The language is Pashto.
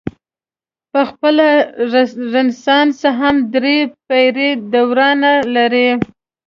پخپله رنسانس هم درې پیړۍ دورانیه لرله.